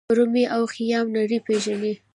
رومي او خیام نړۍ پیژني.